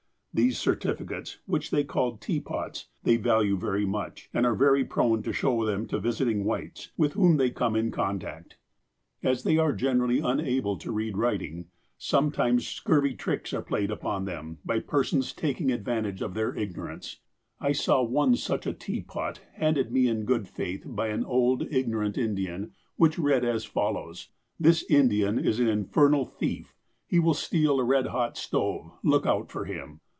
These certificates, which they call " teapots," they value very much, and are very prone to show them to visiting Whites, with whom they come in contact. THE DEVIL ABROAD 135 As they generally are unable to read writing, some times scurvy tricks are played upon them by persons taking advantage of their ignorance. I saw once such a " teapot" handed me in good faith by an old, ignorant Indian, which read as follows :^' This Indian is an infernal thief. He will steal a red hot stove. Look out for him."